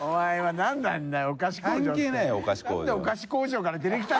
何なんだよ！